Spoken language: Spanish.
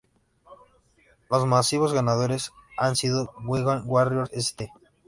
Los máximos ganadores han sido Wigan Warriors, St.